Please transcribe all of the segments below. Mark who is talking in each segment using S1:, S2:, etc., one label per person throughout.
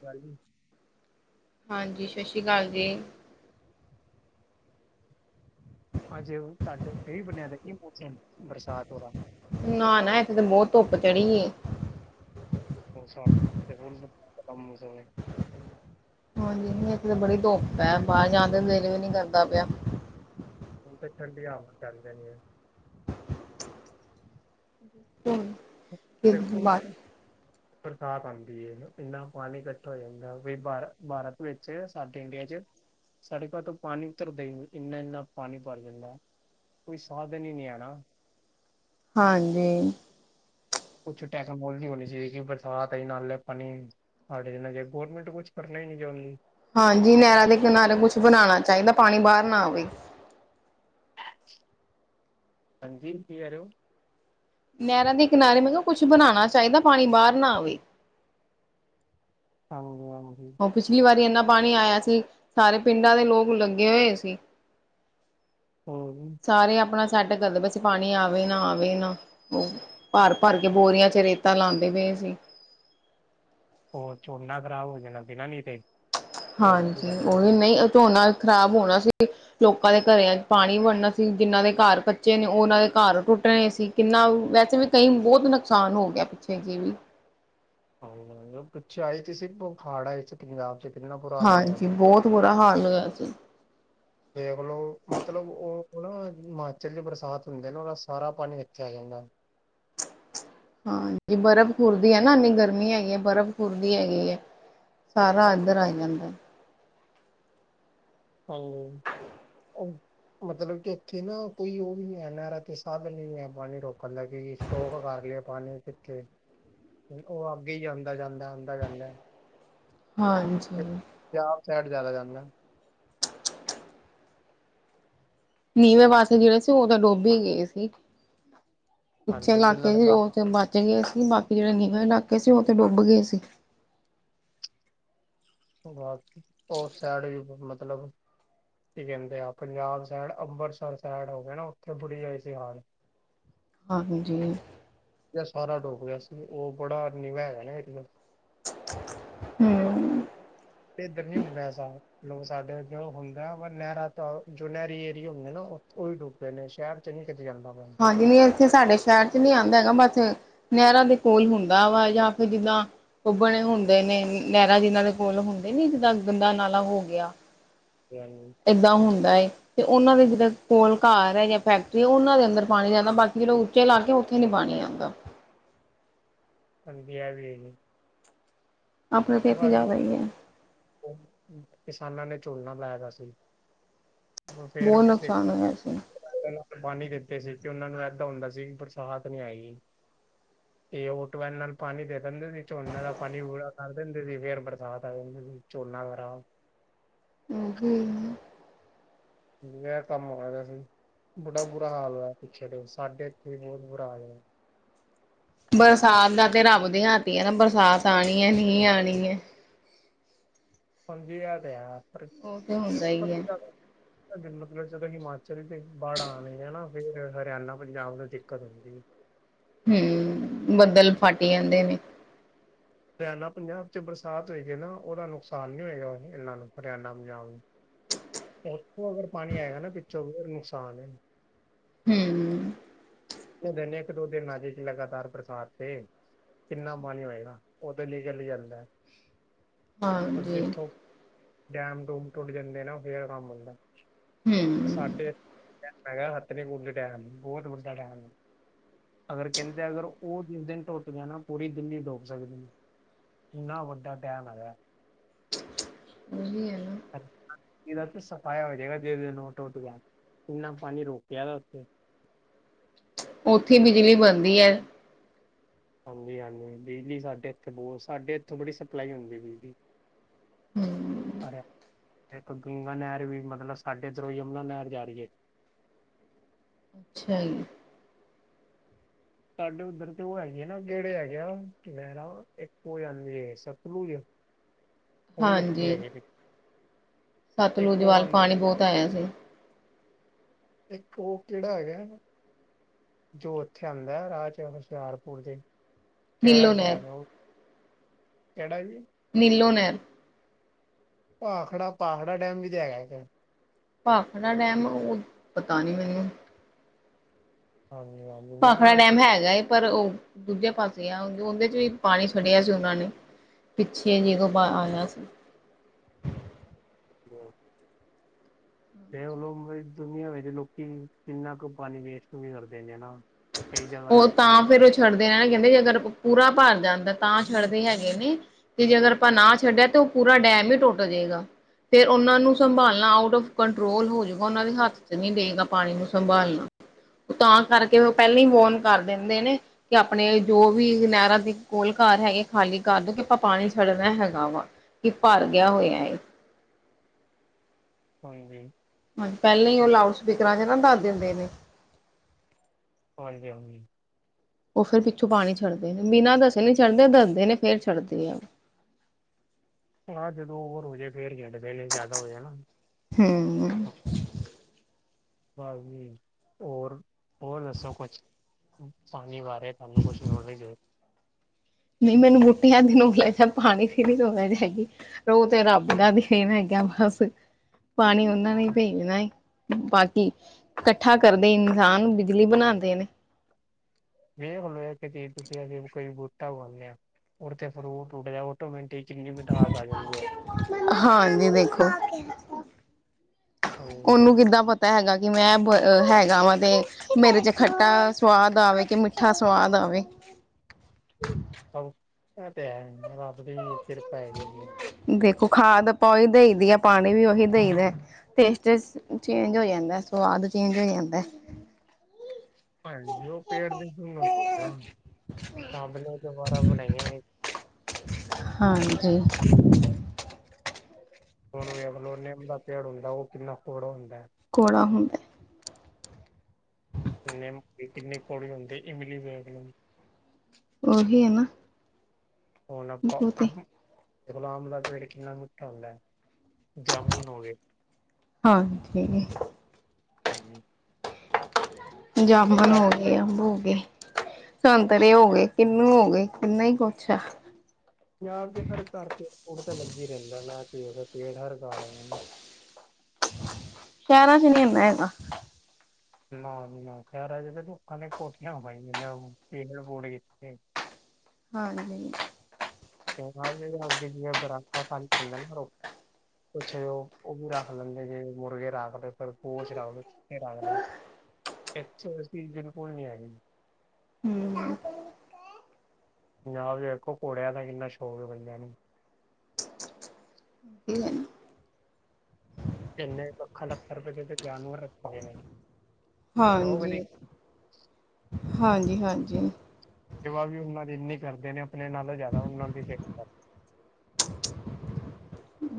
S1: ਜਲ ਜੀ।
S2: ਹਾਂਜੀ ਸਸੀ ਕਾਲ ਜੀ।
S1: ਅੱਜ ਤੁਆਡੇ ਕੀ ਬਨੇਆ ਜੇ ਕੀ ਮੌਸਮ ਬਰਸਾਤ ਹੋਰਾ
S2: ਨਾ-ਨਾ ਏਥੇ ਤਾਂ ਬਹੁ ਧੁੱਪ ਚੜੀ ਏ।
S1: ਹੁਨ ਸਰ ਤੇ ਹੁਨ ਦਾ ਮੌਸਮ ਏ।
S2: ਹਾਂਜੀ ਨਈ ਏਥੇ ਤਾਂ ਬੜੀ ਧੁੱਪ ਐ ਬਾਰ ਜਾਨ ਤੇ ਦਿਲ ਵੀ ਨੀ ਕਰਦਾ ਪਿਆ।
S1: ਹੁਨ ਤਾਂ ਠੰਡੀ ਹਵਾ ਚੱਲ ਜਾਨੀ ਐ।
S2: ਤੁਮ
S1: ਦੇਖੋ ਬਰਸਾਤ ਆਂਦੀ ਐ ਇੰਨਾ ਪਾਣੀ ਕੱਠਾ ਹੋ ਜਾਂਦਾ ਵੀ ਬਾਰ ਬਾਰਤ ਵਿੱਚ ਸਾਡੇ ਇੰਡੀਆ ਚ। ਸੜਕਾਂ ਤੋਂ ਪਾਨੀ ਉਤਰਦਾ ਈ ਨੀ ਇੰਨਾ-ਇੰਨਾ ਪਾਨੀ ਭਰ ਜਾਂਦਾ। ਕੋਈ ਸਾਧਨ ਈ ਨੀ ਆਨਾ।
S2: ਹਾਂਜੀ।
S1: ਕੁਛ ਟੈਕਨੋਲੋਜੀ ਹੋਨੀ ਚਾਈਦੀ ਕੇ ਬਰਸਾਤ ਆਈ ਨਾਲੇ ਪਾਨੀ ਆ ਦੇਖ਼ ਲੇ ਜੇ ਗੌਰਮਿੰਟ ਕੁਛ ਕਰਨਾ ਈ ਨੀ ਚੌਂਦੀ।
S2: ਹਾਂਜੀ ਨੈਰਾਂ ਦੇ ਕਿਨਾਰੇ ਕੁਛ ਬਨਾਨਾ ਚਾਈਦਾ ਪਾਨੀ ਬਾਰ ਨਾ ਆਵੇ।
S1: ਹਾਂਜੀ, ਕੀ ਕੈ ਰਏ ਓ?
S2: ਨੈਰਾਂ ਦੇ ਕਿਨਾਰੇ ਮਤਲਬ ਕੁਛ ਬਨਾਨਾ ਚਾਈਦਾ ਪਾਨੀ ਬਾਰ ਨਾ ਆਵੇ।
S1: ਆਹੋ-ਆਹੋ।
S2: ਉਹ ਪਿਛਲੀ ਵਾਰੀ ਇੰਨਾ ਪਾਣੀ ਆਇਆ ਸੀ। ਸਾਰੇ ਪਿੰਡਾਂ ਦੇ ਲੋਕ ਲੱਗੇ ਹੋਏ ਸੀ। [inaudible]
S1: ਅ ਹੂੰ
S2: ਸਾਰੇ ਆਪਣਾ ਸੈੱਟ ਕਰਦੇ ਬੈਸੇ ਪਾਣੀ ਆਵੇ ਨਾ ਆਵੇ ਨਾ। ਉਹ ਭਰ-ਭਰ ਕੇ ਬੋਰੀਆਂ ਚ ਰੇਤਾ ਲਾਂਦੇ ਪਏ ਸੀ।
S1: ਉਹ ਝੋਨਾ ਖਰਾਬ ਹੋ ਜਾਣਾ ਸੀ ਨੀ ਤੇ।
S2: ਹਾਂਜੀ, ਉਹੀ ਵੀ ਨਹੀਂ ਝੋਨਾ ਖ਼ਰਾਬ ਹੋਣਾ ਸੀ। ਲੋਕਾਂ ਦੇ ਘਰਿਆਂ ਚ ਪਾਣੀ ਵੰਣਨਾ ਸੀ। ਜਿਹਨਾਂ ਦੇ ਘਰ ਕੱਚੇ ਨੇ ਉਹਨਾਂ ਦੇ ਘਰ ਟੁੱਟਣੇ ਸੀ। ਕਿੰਨਾ ਵੈਸੇ ਵੀ ਕਈ ਬਹੁਤ ਨੁਕਸਾਨ ਹੋ ਗਿਆ। ਪਿੱਛੇ ਜੇ ਵੀ
S1: ਪਿੱਛੇ ਆਏ ਤਾਂ ਸੀ। ਫ ਹਾੜ ਆਏ ਸੀ ਪੰਜਾਬ
S2: ਹਾਂਜੀ, ਬਹੁਤ ਬੁਰਾ ਹਾਲ ਹੋਇਆ ਸੀ।
S1: ਵੇਖਲੋਂ ਮਤਲਬ, ਉਹ -ਉਹ ਨਾ ਹਿਮਾਚਲ ' ਬਰਸਾਤ ਹੁੰਦੇ ਨਾ, ਉਹਦਾ ਸਾਰਾ ਪਾਣੀ ਇਥੇ ਆ ਜਾਂਦਾ।
S2: ਹਾਂ। ਜ ਬਰਫ਼ ਖੁਰਦੀ ਹੈ। ਨਾ ਇੰਨੀ ਗਰਮੀ ਹੈਗੀ ਸਾਰਾ ਇੱਧਰ ਆਈ ਜਾਂਦਾ।
S1: ਹਾਂਜੀ। ਮਤਲਬ ਕਿ ਇੱਥੇ ਨਾ ਕੋਈ ਉਹ ਵੀ ਨੀ ਹੈ, ਨਹਿਰ ਤੇ ਸਾਧਨ ਨਈ ਹੈ। ਪਾਣੀ ਰੋਕਣ ਲੱਗੇ ਟੋਕ ਖਾ ਗਈ, ਪਾਣੀ ਕਿੱਥੇ। ਉਹ ਅੱਗੇ ਹੀ ਜਾਂਦਾ- ਜਾਂਦਾ, ਆਂਦਾ ਜਾਂਦਾ।
S2: ਹਾਂਜੀ।
S1: ਬਿਆਸ ਸਾਈਡ ਜ਼ਿਆਦਾ ਜਾਂਦਾ।
S2: ਨੀਵੇਂ ਪਾਸੇ ਜਿਹੜੇ ਸੀ। ਉਹ ਤਾਂ ਡੁਬ ਈ ਗਏ ਸੀ। ਉਚੇ
S1: ਹਾਂਜੀ ਜਿੰਨਾ
S2: ਲਾਕੇ ਸੀ
S1: ਤੱਕ
S2: ਉਹਥੇ ਬਚ ਗਏ ਸੀ। ਬਾਕੀ ਜਿਹੜੇ ਨੀਵੇਂ ਲਾਕੇ ਸੀ। ਉਹਥੇ ਡੁੱਬ ਗਏ ਸੀ।
S1: ਹੋਰ ਸੈਡ ਵੀ ਮਤਲਬ ਕੀ ਕਹਿੰਦੇ ਆ। ਪੰਜਾਬ ਸਇਡ ਅੰਮ੍ਰਿਤਸਰ ਸਇਡ ਹੋਗੇ ਨਾ। ਉਥੇ ਬੁਰੀ ਜ ਸੀ ਹਾਲ
S2: ਹਾਂਜੀ।
S1: ਸਾਰਾ ਡੁੱਬ ਗਿਆ ਸੀ। ਉਹ ਬੜਾ ਨਿਵਾ ਹਿਗਾ ਆ ਨਾ ਏਰੀਆ।
S2: ਹੂੰ।
S1: ਇੱਧਰ ਨੀ ਹੁੰਦਾ। ਐਸਾ। ਲੋ ਸਾਡੇ ਅੱਗੇ ਹੁੰਦਾ ਵ, ਨਹਿਰਾਂ ਤੋਂ ਜੋ ਨਹਿਰੀ ਏਰੀਏ ਹੁੰਦੇ ਨਾ। ਉ ਡੁਬ ਨੇ ਸ਼ਹਿਰ ਚ ਨੀ ਕਿਤੇ ਜਾਂਦਾ ਪੈ।
S2: ਹਾਂਜੀ, ਨਹੀਂ ਇੱਥੇ ਸਾਡੇ ਸ਼ਹਿਰ ਚ, ਨਹੀਂ ਆਂਦਾ ਹੈਗਾ। ਬਸ ਨਹਿਰਾਂ ਦੇ ਕੋਲ ਹੁੰਦਾ ਵਾ। ਜਾਂ ਫਿਰ ਜਿੱਦਾਂ ਉਹ ਬਣੇ ਹੁੰਦੇ ਨੇ, ਨਹਿਰਾਂ ਜਿਨਾਂ ਦੇ ਕੋਲ ਹੁੰਦੇ ਨੀ। ਜਿੱਦਾਂ ਗੰਦਾ ਨਾਲਾ ਹੋ ਗਿਆ।
S1: ਅਤੇ [unintelligible]
S2: ਏਦਾਂ ਹੁੰਦਾ ਏ। ਤੇ ਉਹਨਾਂ ਦੇ ਜਿਹੜੇ ਕੋਲ ਘਰ ਜਾਂ ਫੈਕਟਰੀ ਉਹਨਾਂ ਦੇ ਅੰਦਰ ਪਾਣੀ ਜਾਂਦਾ। ਬਾਕੀ ਜਿਹੜੋਂ ਜੇ ਲਾਗੇ ਉੱਥੇ ਨੀ ਪਾਣੀ ਆਂਦਾ।
S1: ਹ ਬ ਆ ਵੀ [unintelligible]
S2: ਆਪਣੇ ਤਾਂ ਇੱਥੇ
S1: ਬਾਜੀ
S2: ਜ਼ਿਆਦਾ ਹੀ ਆ।
S1: ਕਿਸਾਨਾਂ ਨੇ ਝੋਨਾ ਲਾਇਆ ਵਾ ਸੀ। ਉਹ ਫੇਰ
S2: ਬਹੁਤ ਨੁਕਸਾਨ ਹੋਇਆ ਸੀ
S1: ਪਹਿਲਾਂ ਤਾਂ ਪਾਣੀ ਦਿੱਤੇ ਸੀ। ਕਿ ਉਹਨਾਂ ਨੂੰ ਇੱਦਾਂ ਸੀ ਬਰਾਸਤ ਨੀ ਆਈ ਗੀ। ਇਹ ਓਟ ਵੈਣ ਨਾਲ ਪਾਣੀ ਦੇ ਦਿੰਦੇ ਸੀ। ਝੋਨਾ ਦਾ ਪਾਣੀ ਪੂਰਾ ਕਰ ਦਿੰਦੇ ਸੀ। ਫੇਰ ਬਰਸਾਤ ਆ ਜਾਂਦੀ ਸੀ। ਝੋਨਾ ਖਰਾਬ
S2: ਊ ਹੂੰ
S1: ਜੇ ਕੰਮ ਹੋਇਆ ਵਾ ਸੀ। ਬੜਾ ਬੁਰਾ ਹਾਲ ਹੋਇਆ। ਪਿੱਛੇ ਤੋਂ ਸਾਡੇ ਇੱਥੇ ਵੀ ਬਹੁਤ ਬੁਰਾ ਹਾਲ ਹੋਇਆ।
S2: ਬਰਸਾਤ ਦਾ ਤੇ ਰੱਬ ਦੀ ਹੱਥ ਆ ਨਾ ਬਰਸਾਤ ਆਣੀ ਏ ਨੀ ਆਣੀ ਏ।
S1: ਪੰਜ ਹਜ਼ਾਰ
S2: ਉਹ ਤੇ ਹੁੰਦਾ ਹੀ ਹੈ
S1: [unintelligible] ਮਤਲਬ ਜਦੋਂ ਹਿਮਾਚਲ ਦੇ ਬੜ [unintelligible] ਆ ਨਾ ਫੇਰ ਹਰਿਆਣਾ ਪੰਜਾਬ ਨੂੰ ਦਿੱਕਤ ਹੁੰਦੀ
S2: ਹੂੰ, ਬੱਦਲ ਫਟ ਜਾਂਦੇ ਨੇ।
S1: ਹਰਿਆਣਾ ਪੰਜਾਬ ਚ ਬਰਸਾਤ ਹੋਏਗੀ ਨਾ ਉਹਦਾ ਨੁਕਸਾਨ ਨਹੀਂ ਹੋਏਗਾ ਇਹਨਾਂ ਨੂੰ ਹਰਿਆਣਾ ਪੰਜਾਬ ਨੂੰ। ਉੱਥੋਂ ਅਗਰ ਪਾਣੀ ਆਏਗਾ ਨਾ ਪਿੱਛੋਂ ਦੀ ਊ ਨੁਕਸਾਨ ਐ।
S2: ਹੁੰ।
S1: ਦਿਨ ਇੱਕ, ਦੋ ਦਿਨ ਆਜੇ ਚ ਲਗਾਤਾਰ ਬਰਸਾਤ ਤੇ ਕਿੰਨਾ ਪਾਣੀ ਹੋਏਗਾ ਉਹਦੇ ਲਈ ਚੱਲ ਜਾਂਦਾ ਐ। ਪਰ
S2: ਹਾਂਜੀ
S1: ਜਿੱਥੋਂ ਡੈਮ-ਡੂਮ ਟੁੱਟ ਜਾਂਦੇ ਨਾ ਉਹ ਫੇਰ ਐ ਕੰਮ ਹੁੰਦਾ ਐ।
S2: ਹਮ
S1: ਸਾਡੇ ਡੈਮ ਹੈਗਾ ਹਥਨੀਕੁੰਡ ਡੈਮ ਬਹੁਤ ਵੱਡਾ ਡੈਮ ਐ। ਅਗਰ ਕਹਿੰਦੇ ਅਗਰ ਉਹ ਜਿਸ ਦਿਨ ਟੁੱਟ ਗਿਆ ਨਾ, ਪੂਰੀ ਦਿੱਲੀ ਡੁੱਬ ਸਕਦੀ ਐ। ਇੰਨਾ ਵੱਡਾ ਡੈਮ ਹੈਗਾ।
S2: ਉਹੀ ਐ ਨਾ।
S1: ਸਫਾਇਆ ਹੋ ਜਾਏਗਾ ਜਿਸ ਦਿਨ ਊ ਟੁੱਟ ਗਿਆ, ਕਿੰਨਾ ਪਾਣੀ ਰੋਕਿਆ ਉੱਥੇ
S2: ਉੱਥੇ ਈ ਬਿਜਲੀ ਬਣਦੀ ਐ।
S1: ਹਾਂਜੀ-ਹਾਂਜੀ, ਬਿਜਲੀ ਸਾਡੇ ਇੱਥੇ ਬਹੁਤ, ਸਾਡੇ ਇੱਥੋਂ ਬੜੀ ਸਪਲਾਈ ਹੁੰਦੀ ਬਿਜਲੀ
S2: ਹਮ
S1: ਇੱਕ ਗੰਗਾ ਨੇਰ ਵੀ ਮਤਲਬ ਸਾਡੇ ਇੱਧਰੋਂ ਯਮੁਨਾ ਨੇਰ ਜਾ ਰਹੀ ਏ।
S2: ਅੱਛਾ ਈ।
S1: ਸਾਡੇ ਉੱਧਰ ਤੇ ਉਹ ਹੈਗੇ ਆ ਨਾ ਕਿਹੜੇ ਹੈਗੇ ਆ ਨੇਰਾ, ਇੱਕ ਓ ਜਾਂਦੀ ਏ ਸਤਲੁਜ। ਉਹ ਵੀ ਉੱਥੇ
S2: ਹਾਂਜੀ,
S1: ਹੈਗੇ ਨੇ
S2: ਸਤਲੁਜ
S1: ਇੱਕ ਉਹ
S2: ਵੱਲ
S1: ਆਂਦ
S2: ਪਾਣੀ ਬਹੁਤ ਆਇਆ ਸੀ।
S1: ਇੱਕ ਉਹ ਕਿਹੜਾ ਹੈਗਾ? ਜੋ ਉੱਥੇ ਆਂਦਾ ਰਾਹ ਚ ਹੁਸ਼ਿਆਰਪੁਰ ਦੇ ਕਿਹੜਾ
S2: ਨੀਲੋ ਨਹਿਰ
S1: ਡੈਮ ਐ ਉਹ, ਕਿਹੜਾ ਜੀ?
S2: ਨੀਲੋ ਨੈਰ।
S1: ਭਾਖੜਾ-ਭਾਖੜਾ ਡੈਮ ਵੀ ਤੇ ਹੈਗਾ ਐ ਇੱਕ
S2: ਭਾਖੜਾ ਡੈਮ ਉਹ ਪਤਾ ਨਹੀਂ ਮੈਨੂੰ
S1: ਹਾਂਜੀ-ਹਾਂਜੀ।
S2: ਭਾਖੜਾ ਡੈਮ ਹੈਗਾ ਏ ਪਰ ਉਹ ਦੂਜੇ ਪਾਸੇ ਆ ਔਂਦੇ ਚੋਂ ਵੀ ਪਾਣੀ ਛੱੜਿਆ ਸੀ ਉਹਨਾਂ ਨੇ ਪਿੱਛੇ ਜੀ ਕੋ ਬਾ ਆਣਾ ਸੀ।
S1: ਜੀ। ਦੇਖਲੋ ਵ ਦੁਨੀਆਂ ਵਿੱਚ ਲੋਕੀ ਕਿੰਨਾ ਕੁ ਪਾਣੀ ਵੇਸਟ ਵੀ ਕਰਦੇ ਨੇ ਨਾ। ਕਈ ਜਗ੍ਹਾ
S2: ਉਹ
S1: ਦੇਖੋ
S2: ਤਾਂ ਫੇਰ ਓ ਛੱਡਦੇ ਨੇ ਕਹਿੰਦੇ ਜੇ ਅਗਰ ਪੂਰਾ ਪਾਰ ਜਾਂਦਾ ਤਾਂ ਛੱਡਦੇ ਹੈਗੇ ਨੇ। ਤੇ ਜੇ ਅਗਰ ਆਪਾਂ ਨਾ ਛੱਡਿਆ ਤਾਂ ਉਹ ਪੂਰਾ ਡੈਮ ਈ ਟੁੱਟ ਜਾਏਗਾ। ਫੇਰ ਉਹਨਾਂ ਨੂੰ ਸੰਭਾਲਣਾ ਆਊਟ ਆਫ ਕੰਟਰੋਲ ਹੋਜੂਗਾ, ਉਹਨਾਂ ਦੇ ਹੱਥ ਚ ਨਹੀਂ ਰਹੇ ਗਾ ਪਾਣੀ ਨੂੰ ਸੰਭਾਲਣਾ। ਉਹ ਤਾਂ ਕਰਕੇ ਉਹ ਪਹਿਲਾਂ ਹੀ ਵੋਨ ਕਰ ਦਿੰਦੇ ਨੇ। ਕਿ ਆਪਣੇ ਜੋ ਵੀ ਨਹਿਰਾਂ ਦੇ ਕੋਲ ਕਰ ਹੈਗੇ, ਖਾਲੀ ਕਰਦੋ ਕਿ ਆਪਾਂ ਪਾਣੀ ਛੱਡਨਾ ਹੈਗਾ ਵਾ। ਕਿ ਪਾਰ ਗਿਆ ਹੋਇਆ ਐ।
S1: ਹਾਂਜੀ।
S2: ਹਾਂਜੀ, ਪਹਿਲਾਂ ਹੀ ਉਹ ਲਾਊਡ ਸਪੀਕਰਾਂ ਚ ਨਾ ਦੱਸ ਦਿੰਦੇ ਨੇ।
S1: ਹਾਂਜੀ-ਹਾਂਜੀ।
S2: ਉਹ ਫੇਰ ਪਿੱਛੋਂ ਪਾਣੀ ਛੱਡਦੇ ਨੇ ਬਿਨਾਂ ਦੱਸੇ ਨਹੀਂ ਛੱਡਦੇ, ਦੱਸਦੇ ਨੇ ਫੇਰ ਛੱਡਦੇ ਆ।
S1: ਹਾਂ ਜਦੋਂ ਓਵਰ ਹੋ ਜੇ ਫੇਰ [unintelligible] ਦੇ ਨੇ ਜ਼ਿਆਦਾ ਹੋ ਜੇ ਨਾ।
S2: ਹੂੰ
S1: ਕਾਲ ਜੀ ਹੋਰ ਹੋਰ ਦੱਸੋ ਕੁਛ ਪਾਣੀ ਵਾਰ ਹੈ [unintelligible]
S2: ਨਹੀਂ ਮੈਨੂੰ ਗੁਟੀਆਂ ਦੀ ਨੋਲ ਲੈ ਜਾ ਪਾਣੀ ਫ ਨੀ ਲੋਣਾ ਚਗੀ ਰੋ ਤੇ ਰੱਬ ਦਾ ਦੀ [unintelligible] [unintelligible] ਹੈਗਾ ਬੱਸ ਪਾਣੀ ਉਹਨਾਂ ਨੇ ਭੇਜਣਾ ਏ ਬਾਕੀ ਕੱਠਾ ਕਰਦੇ ਇਨਸਾਨ ਬਿਜਲੀ ਬਣਾਂਦੇ ਨੇ
S1: ਵੇਖ ਲੋ ਇਕ ਚੀ ਤੁਸੀਂ ਅਸੀਂ ਕੋਈ ਬੂਟਾ ਉਗਾਉਨੇ ਆ ਉਤੇ ਫਰੂਟ ਉੱਡ ਜਾ [unintelligible]
S2: ਹਾਂਜੀ ਦੇਖੋ ਉਹਨੂੰ ਕਿੱਦਾਂ ਪਤਾ ਹੈਗਾ ਕਿ ਮੈਂ ਬ ਹੈਗਾ ਵਾ ਤੇ ਮੇਰੇ ਚ ਖੱਟਾ ਸਵਾਦ ਆਵੇ ਕਿ ਮਿੱਠਾ ਸਵਾਦ ਆਵੇ
S1: [unintelligible] ਐਹ ਤੇ ਹੈ ਰੱਬ ਦੀ ਕਿਰਪਾ ਹੈਗੀ ਮੇ
S2: ਦੇਖੋ ਖਾ਼ਦ ਆਪਾਂ ਉਹੀ ਦੇਈ ਦੀ ਐ ਪਾਣੀ ਵੀ ਓਹੀ ਦੇਈ ਦਾ ਐ ਟੇਸਟੇਸ ਚੇਂਜ ਹੋ ਜਾਂਦਾ ਐ ਸਵਾਦ ਚੇਂਜ ਹੋ ਜਾਂਦਾ ਐ
S1: [unintelligible]
S2: ਹਾਂਜੀ
S1: ਹੁਣ ਵੇਖ਼ ਲੋ ਨਿੰਮ ਦਾ ਪੇੜ ਹੁੰਦਾ ਉਹ ਕਿੰਨਾ ਕੌੜਾ ਹੁੰਦਾ ਐ
S2: ਕੌੜਾ ਹੁੰਦ
S1: ਨਿੰਮ ਕਿੰ ਕਿੰਨੀ ਕੌੜੀ ਹੁੰਦੀ ਇਮਲੀ ਵੇਖ ਲੋ
S2: ਉਹੀ ਹੈ ਨਾ
S1: ਹੁਣ ਆਪਾਂ
S2: ਬਹੁਤੇ
S1: ਦੇਖਲੋ ਆਮ ਦਾ ਪੇੜ ਕਿੰਨਾ ਮਿੱਠਾ ਹੁੰਦਾ ਐ ਜਾਮੁਨ ਹੋ ਗੇ
S2: ਹਾਂ ਜੀ
S1: ਹੂੰ
S2: ਜਾਮਣ ਹੋ [unintelligible] ਅੰਬ ਹੋ ਗੇ ਸੰਤਰੇ ਹੋ ਗੇ ਕਿੰਨੂੰ ਹੋ ਗਏ ਕਿੰਨਾ ਈ ਕੁੱਛ ਆ
S1: ਪੰਜਾਬ ਦੇ ਹਰ ਘਰ ਚ ਫੁੱਲ ਤੇ ਲਗਿਆ ਈ ਰਹਿੰਦਾ [unintelligible] ਪੇੜ ਹਰ ਘਰ
S2: ਸ਼ਹਿਰਾਂ ਚ ਨਹੀਂ ਏਨਾ ਹੈਗਾ
S1: ਨਾ ਜੀ ਨਾ ਸ਼ਹਿਰਾਂ ਚ ਤਾਂ ਲੋਕਾਂ ਨੇ ਕੋਠੀਆਂ ਪਾਈਆਂ ਹੋਈਆਂ [unintelligible] ਪੇੜ ਪੁੜ ਕਿੱਥੇ
S2: ਹਾਂ ਜੀ
S1: [unintelligible] ਕੁਛ ਏ ਉਹ ਉਹ ਵੀ ਰੱਖ ਲੈਂਦੇ ਜੇ ਮੁਰਗੇ ਰੱਖ ਲਏ ਖ਼ਰਗੋਸ਼ ਰੱਖ ਦੋ ਰੱਖਦੇ [unintelligible] ਇੱਥੇ ਇਹ ਚੀਜ਼ ਬਿਲਕੁਲ ਨਹੀਂ ਹੈਗੀ
S2: ਹੂੰ
S1: ਪੰਜਾਬ ਚ ਵੇਖੋ ਘੜਿਆਂ ਦਾ ਕਿੰਨਾ ਸ਼ੌਕ ਏ ਬੰਦਿਆ ਨੂੰ
S2: [unintelligible]
S1: ਕਿੰਨੇ ਲੱਖਾਂ ਲੱਖ ਰੁਪਏ ਦੇ ਜਾਨਵਰ ਰੱਖ਼ੇ ਨੇ ਸ਼ੌਕ
S2: ਹਾਂਜੀ
S1: ਦੀ
S2: ਹਾਂਜੀ ਹਾਂਜੀ
S1: ਸੇਵਾ ਵੀ ਉਹਨਾਂ ਦੀ ਇੰਨੀ ਕਰਦੇ ਨੇ ਆਪਣੇ ਨਾਲੋਂ ਜ਼ਿਆਦਾ ਉਹਨਾਂ ਦੀ ਸੇਵਾ ਕਰ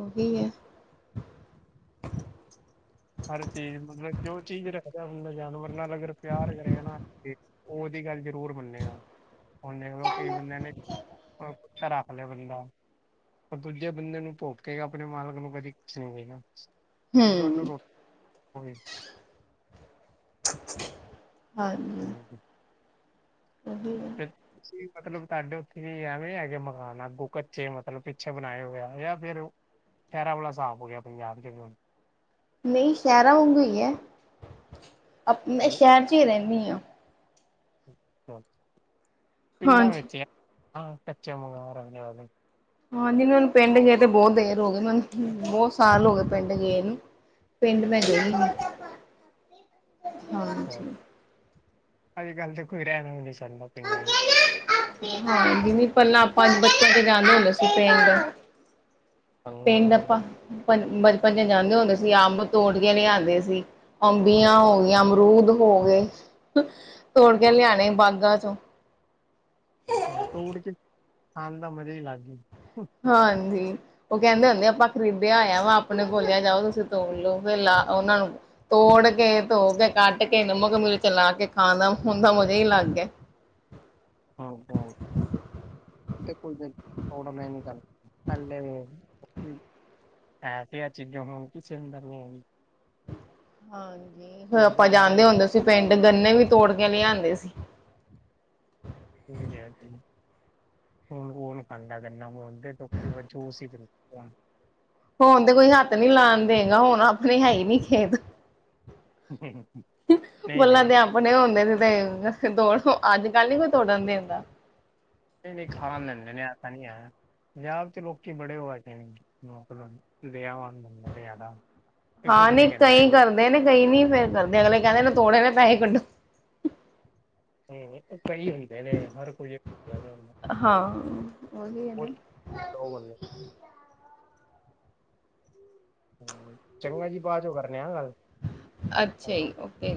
S2: ਉਹੀ ਹੈ
S1: ਹਰ ਚੀਜ਼ ਮਤਲਬ ਜੋ ਚੀਜ਼ ਰੱਖਦਾ ਜਾ ਬੰਦਾ ਜਾਨਵਰ ਨਾਲ ਅਗਰ ਪਿਆਰ ਕਰੇਗਾ ਨਾ ਉਹ ਉਹਦੀ ਗੱਲ ਜ਼ਰੂਰ ਮੰਨੇਗਾ ਹੁਣ ਦੇਖਲੋ ਕਈ ਬੰਦਿਆਂ ਨੇ ਹੁਣ ਕੁੱਤਾ ਰੱਖ ਲੇ ਬੰਦਾ ਉਹ ਦੂਜੇ ਬੰਦੇ ਨੂੰ ਭੋਕੇਗਾ ਆਪਣੇ ਮਾਲਕ ਨੂੰ ਕਦੀ ਕੁਛ ਨੀ ਕਹੇਗਾ ਕਿਉਂਕਿ ਉਹਨੂੰ
S2: ਹੂੰ
S1: ਰੋ [unintelligible]
S2: ਹਾਂ
S1: ਨਾਲ ਜੀ
S2: ਹੈ
S1: ਫੇਰ ਮਤਲਬ ਤੁਹਾਡੇ ਉੱਥੇ ਵੀ ਐਵੇਂ ਹੈਗੇ ਮਕਾਨ ਅੱਗੋ ਕੱਚੇ ਮਤਲਬ ਪਿੱਛੇ ਬਣਾਏ ਹੋਏ ਆ ਜਾਂ ਫਿਰ ਖੈਰਾਂ ਵੁਲਾ ਸਾਫ਼ ਹੋ ਗਿਆ ਪੰਜਾਬ 'ਚ ਹੁਣ।
S2: ਨਈ ਸ਼ਹਿਰਾਂ ਵਾਗੂ ਈ ਐ, ਆਪਣੇ
S1: ਸਹੀ,
S2: ਸ਼ਹਿਰ 'ਚ ਈ ਰੈਂਨੀ ਆ।
S1: ਪਿੰਡਾਂ
S2: ਹਾਂਜੀ
S1: ਵਿੱਚ ਕੱਚੇ
S2: ਹਾਂਜੀ ਮੈਨੂੰ ਪਿੰਡ ਗਏ ਤੇ ਬੋ ਦੇਰ ਹੋਗੀ ਮੈਂਨੂੰ ਬੋ ਸਾਲ ਹੋਗੇ ਪਿੰਡ ਗੇ ਨੂੰ। ਪਿੰਡ ਮੈਂ ਗਈ ਨੀ, ਹਾਂਜੀ।
S1: ਅੱਜ-ਕੱਲ ਦੇਖੋ ਕੋਈ ਰੈ ਵੀ ਨੀ ਸਕਦਾ ਪਿੰਡਾਂ।
S2: ਹਾਂ ਵੀ ਨੀ ਪੈਲਾ ਆਪਾਂ ਬਚਪਨ ਚ ਜਾਂਦੇ ਹੁੰਦੇ ਸੀ ਪਿੰਡ। ਪਿੰਡ ਆਪਾਂ ਬਚਪਨ 'ਚ ਜਾਂਦੇ ਹੁੰਦੇ ਸੀ ਅੰਬ ਤੋੜ ਕੇ ਲਿਆਂਦੇ ਸੀ। ਅੰਬੀਆਂ ਹੋਗੀਆਂ, ਅਮਰੂਦ ਹੋ ਗੇ, ਤੋੜ ਕੇ ਲਿਆਣੇ ਬਾਗ਼ਾਂ ਚੋਂ।
S1: ਹਾਂ ਤੋੜ ਕੇ ਖਾਣ ਦਾ ਮਜ਼ਾ ਈ ਲੱਗ ਏ।
S2: ਹਾਂਜੀ। ਓ ਕੈਂਦੇ ਹੁੰਦੇ ਆਪਾਂ ਖਰੀਦਿਆ ਹੋਇਆ ਵਾ ਆਪਣੇ ਬੋਲਿਆ ਜਾਓ ਤੁਸੀਂ ਤੋੜ ਲੋ ਫਿਰ ਲਾ ਉਨਾਂ ਨੂੰ ਤੋੜ ਕੇ, ਧੋ ਕੇ, ਕੱਟ ਕੇ ਨਮਕ, ਮਿਰਚ ਲਾ ਕੇ ਖਾਣ ਦਾ ਹੁੰਦਾ ਮਜ਼ਾ ਈ ਅਲੱਗ ਐ।
S1: [inaudible] ਕੋਈ ਤੋੜਨੇ ਨੀ [inaudible] ਐਸੀਆ ਆ ਚੀਜ਼ ਹੁਣ ਕਿਸੇ
S2: ਹਾਂਜੀ ਫਿਰ
S1: ਹੁਣ ਤਾਂ
S2: ਆਪਾਂ
S1: ਸਾਰਿਆਂ
S2: ਜਾਂਦੇ
S1: ਨੂੰ
S2: ਹੁੰਦੇ ਸੀ ਪਿੰਡ ਗੰਨੇ ਵੀ ਤੋੜ ਕੇ ਲਿਆਂਦੇ ਸੀ।
S1: ਉਂਝ ਹੈ ਕੀ। ਹੁਣ ਓ ਨੀ ਖਾਂਦਾ ਗੰਨਾ ਹੁਣ ਤੇ ਜੋਸ਼ ਈ ਪੀਂਦੇ ਆ।
S2: ਹੁਣ ਤੇ ਕੋਈ ਹੱਥ ਨੀ ਲਾਣ ਦੇਗਾ ਹੁਣ ਆਪਣੇ ਹੈ ਈ ਨੀ ਖੇਤ।
S1: ਨਈ-ਨਈ।
S2: ਹੁਣੇ ਹੁੰਦੇ ਸੀ ਤੇ ਤੋੜੋ ਅੱਜ-ਕੱਲ ਨੀ ਕੋਈ ਤੋੜਨ ਦਿੰਦਾ।
S1: ਨਈ-ਨਈ ਖਾ ਲੈਂਦੇ ਨੇ ਐ ਤਾਂ ਨੀ ਐ। ਪੰਜਾਬ ਤੇ ਲੋਕੀ ਬੜੇ ਓ ਹੈਗੇ ਨ ਮਤਲਬ ਦੇਆਵਾਨ ਬੰਦੇ ਨੇ ਜਿਆਦਾ‌।
S2: ਹਾਂ ਨਈ ਕਈ ਕਰਦੇ ਨੇ, ਕਈ ਨਈ ਫਿਰ ਕਰਦੇ ਅਗਲੇ ਕੈਂਦੇ ਨੇ ਤੋੜੇ ਨੇ ਪੈਹੇ ਕੱਢੋ।
S1: ਕਈ ਹੁੰਦੇ ਨੇ ਹਰ ਕੇਈ ਇਕ ਜੇਆ ਨੀ ਹੁੰਦਾ,
S2: ਹਾਂ ਉਹੀ ਹੈ
S1: ਕੋਈ
S2: ਨਾ
S1: ਦੋ ਬੰਦੇੇ। ਹੂੰ ਚੰਗਾ ਭਾਅਜੀ ਬਾਅਦ ਚੋਂ ਕਰਨੇ ਆ ਗੱਲ, ਹੈਲੋ।
S2: ਤੇ